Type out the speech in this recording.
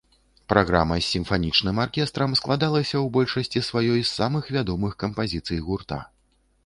Праграма з сімфанічным аркестрам складалася ў большасці сваёй з самых вядомых кампазіцый гурта.